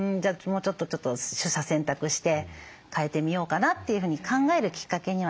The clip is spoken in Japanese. もうちょっと取捨選択して変えてみようかなというふうに考えるきっかけにはなりますね。